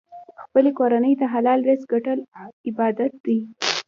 خپلې کورنۍ ته حلال رزق ګټل عبادت دی.